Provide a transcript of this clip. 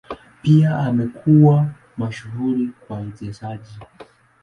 Pia amekuwa mashuhuri kwa uchezaji.